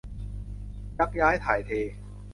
ยักย้ายถ่ายเท